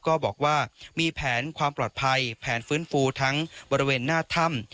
ก็บอกว่ามีแผนความปลอดภัยแผนฟื้นฟูทั้งบริเวณหน้าถ้ำ